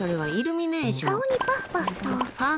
顔にパフパフと。